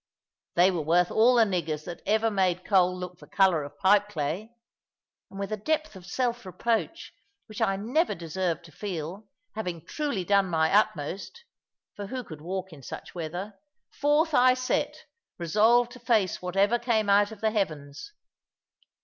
They were worth all the niggers that ever made coal look the colour of pipeclay; and with a depth of self reproach which I never deserved to feel, having truly done my utmost for who could walk in such weather? forth I set, resolved to face whatever came out of the heavens.